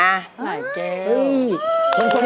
ชักอย่างนั้น